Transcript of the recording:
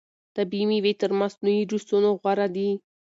طبیعي مېوې تر مصنوعي جوسونو غوره دي.